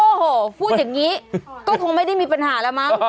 โอ้โหพูดอย่างนี้ก็คงไม่ได้มีปัญหาแล้วมั้ง